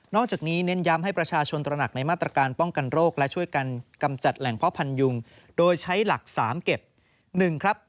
จากนี้เน้นย้ำให้ประชาชนตระหนักในมาตรการป้องกันโรคและช่วยกันกำจัดแหล่งพ่อพันยุงโดยใช้หลัก๓เก็บ๑ครับ